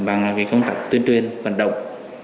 bằng cái công tác tuyên truyền vận động